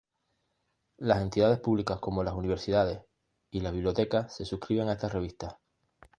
Las entidades públicas como las universidades y las bibliotecas se suscriben a estas revistas.